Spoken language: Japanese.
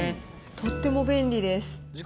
とっても便利です。